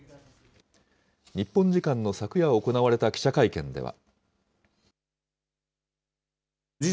日本時間の昨夜行われた記者会見では。